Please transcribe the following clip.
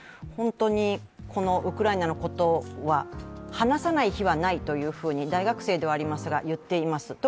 本当にウクライナのことは話さない日はないと大学生ではありますが、言っています。